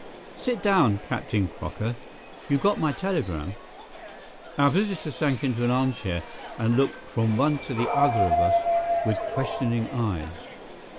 "Sit down, Captain Crocker. You got my telegram?" Our visitor sank into an armchair and looked from one to the other of us with questioning eyes.